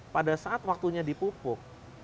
pada saat waktunya dipupuk